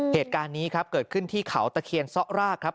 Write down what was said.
เหตุการณ์นี้ครับเกิดขึ้นที่เขาตะเคียนซ่อรากครับ